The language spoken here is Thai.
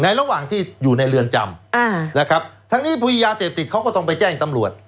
ระหว่างที่อยู่ในเรือนจำนะครับทั้งนี้พรียาเสพติดเขาก็ต้องไปแจ้งตำรวจ